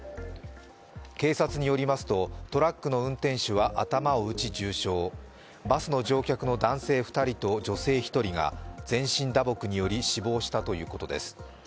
警察によりますとバスの運転手は頭を打ち重傷、バスの乗客男性２人と女性１人が全身打撲により死亡したということです。